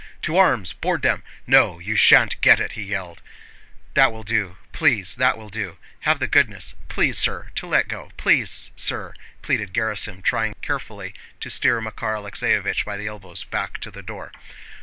"To arms! Board them! No, you shan't get it," he yelled. "That will do, please, that will do. Have the goodness—please, sir, to let go! Please, sir..." pleaded Gerásim, trying carefully to steer Makár Alexéevich by the elbows back to the door.